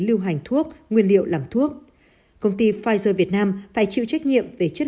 lưu hành thuốc nguyên liệu làm thuốc công ty pfizer việt nam phải chịu trách nhiệm về chất